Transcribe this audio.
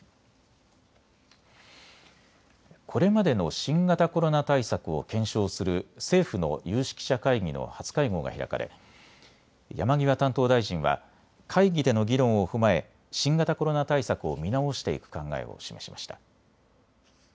これまでの新型コロナ対策を検証する政府の有識者会議の初会合が開かれ山際担当大臣は会議での議論を踏まえ新型コロナ対策を見直していく考えを示しました。